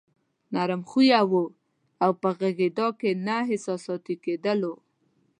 نرم خويه وو او په غږېدا کې نه احساساتي کېدلو.